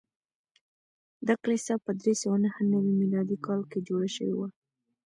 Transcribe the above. دا کلیسا په درې سوه نهه نوي میلادي کال کې جوړه شوې وه.